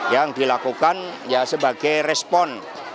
yang dilakukan ya sebagai respon